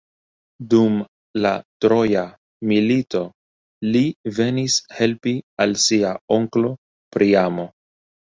Dum la Troja milito li venis helpi al sia onklo Priamo.